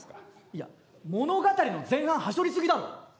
いや物語の前半はしょり過ぎだろ！